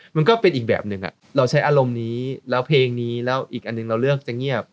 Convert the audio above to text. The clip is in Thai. มันก็เป็นอีกแบบหนึ่งเราใช้อารมณ์นี้แล้วเพลงนี้แล้วอีกอันหนึ่งเราเลือกจะเงียบ